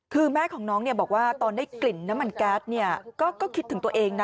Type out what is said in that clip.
คือแม่ของน้องบอกว่าตอนได้กลิ่นน้ำมันแก๊สก็คิดถึงตัวเองนะ